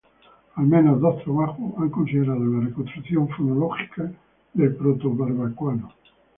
Al menos dos trabajos han considerado la reconstrucción fonológica del proto-barbacoano.